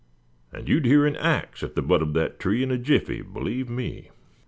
And you'd hear an ax at the butt of that tree in a jiffy, believe me."